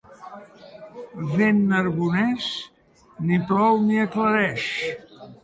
Vent narbonés, ni plou ni aclareix.